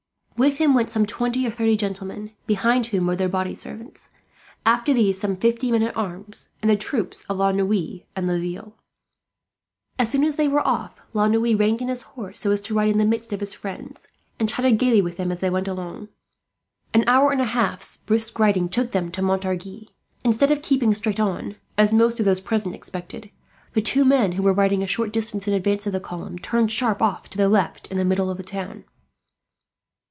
With him went some twenty or thirty gentlemen, behind whom rode their body servants. After these followed some fifty men at arms, and the troops of La Noue and Laville. As soon as they were off, La Noue reined in his horse so as to ride in the midst of his friends, and chatted gaily with them as they went along. An hour and a half's brisk riding took them to Montargis. Instead of keeping straight on, as most of those present expected, the two men who were riding a short distance in advance of the column turned sharp off to the left, in the middle of the town.